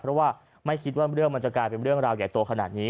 เพราะว่าไม่คิดว่าเรื่องมันจะกลายเป็นเรื่องราวใหญ่โตขนาดนี้